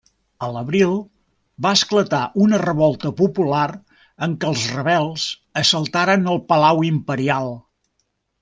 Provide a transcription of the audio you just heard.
A l'abril, va esclatar una revolta popular en què els rebels assaltaren el palau imperial.